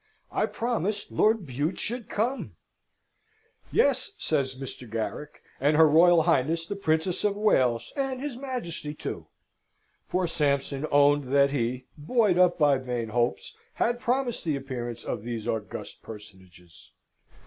"I promised Lord Bute should come?" "Yes," says Mr. Garrick, "and her Royal Highness the Princess of Wales, and his Majesty too." Poor Sampson owned that he, buoyed up by vain hopes, had promised the appearance of these august personages.